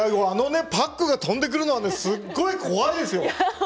あのねパックが飛んでくるなんてすっごい怖いですよ。